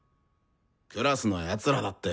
クラスの奴らだって。